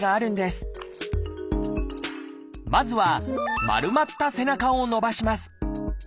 まずは丸まった背中を伸ばします。